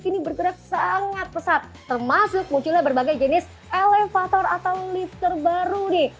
ini bergerak sangat pesat termasuk munculnya berbagai jenis elevator atau lift terbaru nih